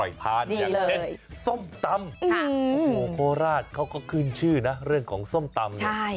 ทานอย่างเช่นส้มตำโอ้โหโคราชเขาก็ขึ้นชื่อนะเรื่องของส้มตำเนี่ย